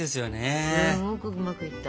すごくうまくいった！